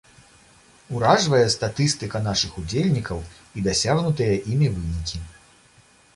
Уражвае статыстыка нашых удзельнікаў і дасягнутыя імі вынікі.